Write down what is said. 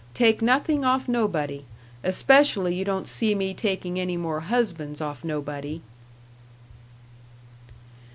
Take nothing off nobody especially you don't see me taking any more husbands off nobody."